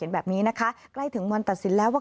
แบบนี้นะคะใกล้ถึงวันตัดสินแล้วว่า